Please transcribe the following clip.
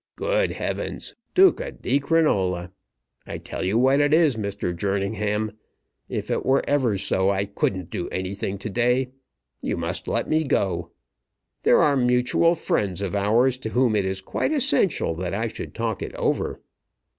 Good heavens! Duca di Crinola! I tell you what it is, Mr. Jerningham. If it were ever so, I couldn't do anything to day. You must let me go. There are mutual friends of ours to whom it is quite essential that I should talk it over."